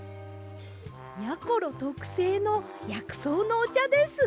やころとくせいのやくそうのおちゃです。